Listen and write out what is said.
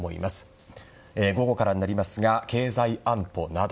午後からになりますが経済安保など。